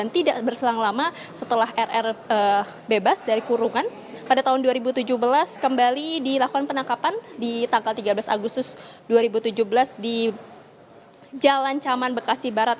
tim liputan kompas tv